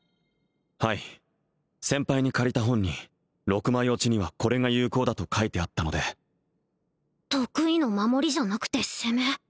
はい先輩に借りた本に六枚落ちにはこれが有効だと書いてあったので得意の守りじゃなくて攻め